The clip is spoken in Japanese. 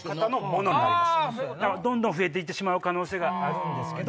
どんどん増えていってしまう可能性があるんですけど。